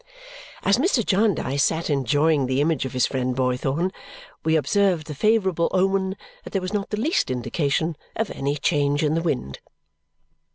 As Mr. Jarndyce sat enjoying the image of his friend Boythorn, we observed the favourable omen that there was not the least indication of any change in the wind.